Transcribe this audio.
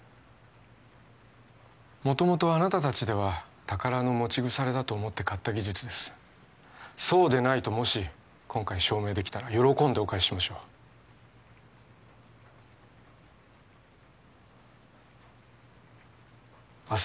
元々あなた達では宝の持ち腐れだと思って買った技術ですそうでないともし今回証明できたら喜んでお返ししましょう明日